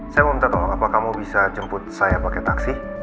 saya mau minta tolong apakah kamu bisa jemput saya pakai taksi